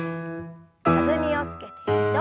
弾みをつけて２度。